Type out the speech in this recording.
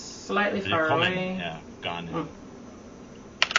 Willkommen, Herr Ghanem!